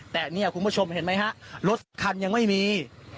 แต่เนี่ยคุณผู้ชมเห็นไหมฮะรถคันยังไม่มี